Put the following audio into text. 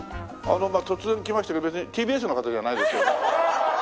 あの突然来ましたけどＴＢＳの方じゃないですよね？